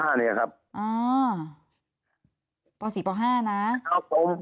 อ่าป๔ป๕นะ